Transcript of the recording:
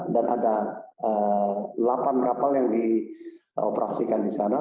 dan ada lapan kapal yang dioperasikan di sana